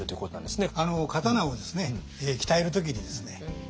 刀をですね鍛える時にですね